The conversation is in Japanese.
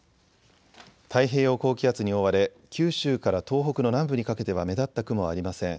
太平洋高気圧に覆われ九州から東北の南部にかけては目立った雲はありません。